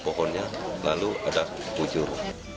pohonnya lalu ada kujur